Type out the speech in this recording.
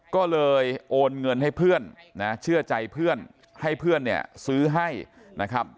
ก็เลยโอนเงินให้เพื่อนนะเชื่อใจเพื่อนให้เพื่อนเนี่ยซื้อให้นะครับ